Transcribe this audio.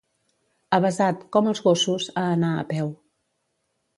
Avesat, com els gossos, a anar a peu.